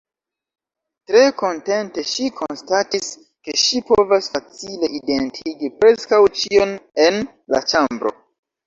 Tre kontente ŝi konstatis ke ŝi povas facile identigi preskaŭ ĉion en la ĉambro.